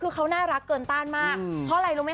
ขนาดน่ารักเกินต้านมาก